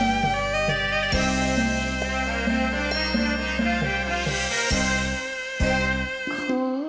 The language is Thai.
คุณจะอยู่ในนี้